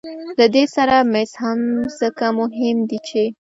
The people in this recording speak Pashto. له دې سره مس هم ځکه مهم دي چې